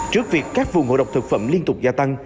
trước việc các vùng hộ độc thực phẩm liên tục gia tăng